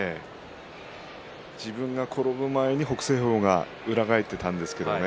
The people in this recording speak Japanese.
自分が転ぶ前に北青鵬が裏返っていたんですけどね。